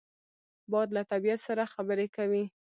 باد له طبیعت سره خبرې کوي